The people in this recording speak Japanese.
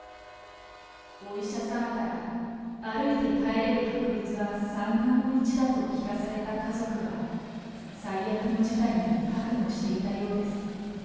お医者様から歩いて帰れる確率は３分の１だと聞かされた家族は、最悪の事態も覚悟していたようです。